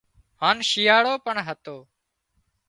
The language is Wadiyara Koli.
هانَ شيئاۯو پڻ هتو